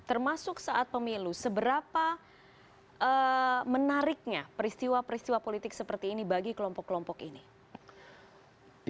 termasuk saat pemilu seberapa menariknya peristiwa peristiwa politik seperti ini bagi kelompok kelompok ini